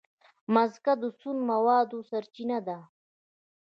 مځکه د سون موادو سرچینه ده.